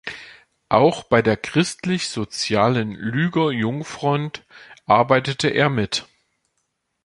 Auch bei der christlichsozialen Lueger-Jungfront arbeitete er mit.